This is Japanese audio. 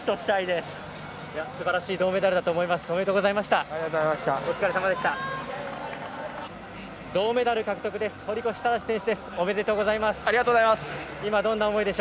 すばらしい銅メダルだと思います。